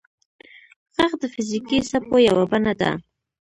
• ږغ د فزیکي څپو یوه بڼه ده.